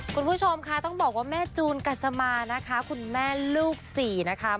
คุณผู้ชมค่ะต้องบอกว่าแม่จูนกัสมานะคะคุณแม่ลูกสี่นะคะ